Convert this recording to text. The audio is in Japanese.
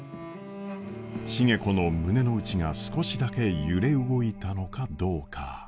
重子の胸の内が少しだけ揺れ動いたのかどうか。